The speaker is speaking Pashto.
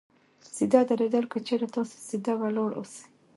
سیده درېدل : که چېرې تاسې سیده ولاړ اوسئ